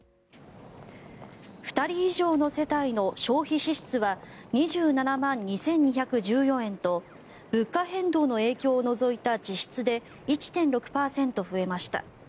２人以上の世帯の消費支出は２７万２２１４円と物価変動の影響を除いた実質で１．６％増えました。